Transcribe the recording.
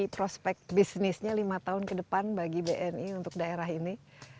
prospek bisnisnya lima tahun ke depan bagi bni untuk daerah ini